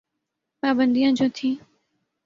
پابندیاں جو تھیں۔